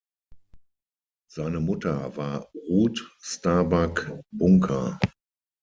Seine Mutter war Ruth Starbuck Bunker.